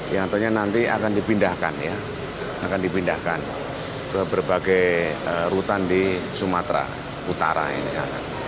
yang nantinya nanti akan dipindahkan ke berbagai rutan di sumatera utara